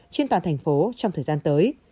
trên toàn thành phố trong thời gian tới